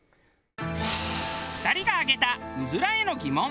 ２人が挙げたうずらへの疑問。